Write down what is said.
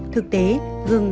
thực tế gừng sả